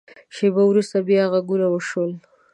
شیبه وروسته، بیا غږونه شول.